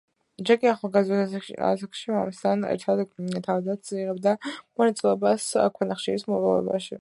ჯეკი ახალგაზრდულ ასაკში მამასთან ერთად თავადაც იღებდა მონაწილეობას ქვანახშირის მოპოვებაში.